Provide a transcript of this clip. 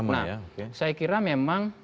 nah saya kira memang